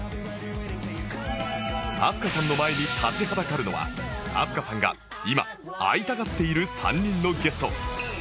飛鳥さんの前に立ちはだかるのは飛鳥さんが今会いたがっている３人のゲスト